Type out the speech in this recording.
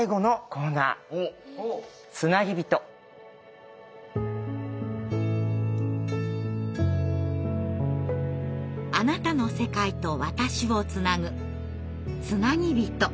あなたの世界と私をつなぐつなぎびと。